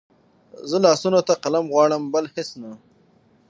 زه لاسونو ته قلم غواړم بل هېڅ نه